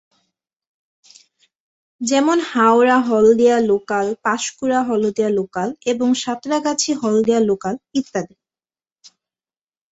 যেমন- Howrah-Haldia local, Panskura-Haldia local এবং Santragachi-Haldia local ইত্যাদি।